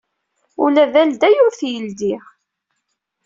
Ula d alday ur t-yeldiy.